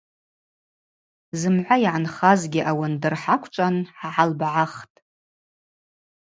Зымгӏва йгӏанхазгьи ауандыр хӏаквчӏван хӏгӏалбгӏахтӏ.